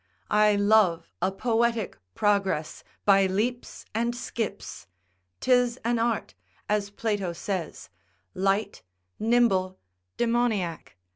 I love a poetic progress, by leaps and skips; 'tis an art, as Plato says, light, nimble, demoniac.